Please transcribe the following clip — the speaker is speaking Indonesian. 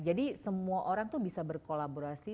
jadi semua orang itu bisa berkolaborasi